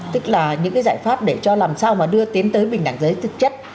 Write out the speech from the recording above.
tức là những cái giải pháp để cho làm sao mà đưa tiến tới bình đẳng giới thực chất